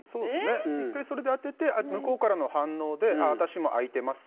１回それで当てて向こうからの反応で私も空いてます